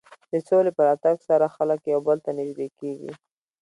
د سولې په راتګ سره خلک یو بل ته نژدې کېږي.